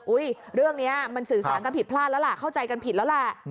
เรื่องนี้มันสื่อสารกันผิดพลาดแล้วล่ะเข้าใจกันผิดแล้วแหละ